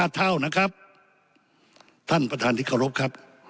๕เท่านะครับท่านประธานิกรพครับ